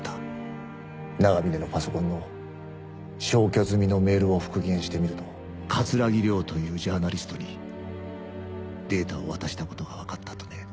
長峰のパソコンの消去済みのメールを復元してみると桂木涼というジャーナリストにデータを渡した事がわかったとね。